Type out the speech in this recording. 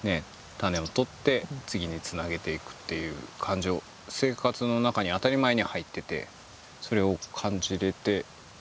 種をとって次につなげていくっていう感じを生活の中に当たり前に入っててそれを感じれて行こう